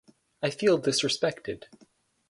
I feel disrespected.